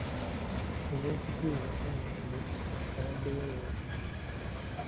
Oweekitiibwa Ssengendo awaddeyo woofiisi.